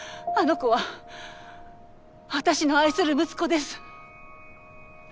あの子は私の愛する息子です。